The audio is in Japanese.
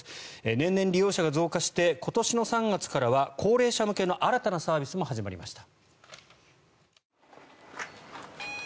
年々利用者が増加して今年の３月からは高齢者向けの新たなサービスも始まりました。